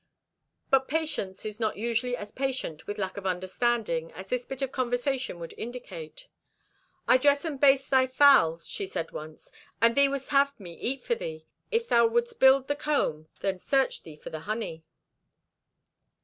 But Patience is not usually as patient with lack of understanding as this bit of conversation would indicate. "I dress and baste thy fowl," she said once, "and thee wouldst have me eat for thee. If thou wouldst build the comb, then search thee for the honey."